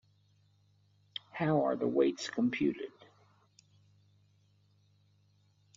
How are the weights computed?